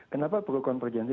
kenapa perlu konvergensi